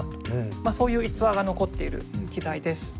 まあそういう逸話が残っている機材です。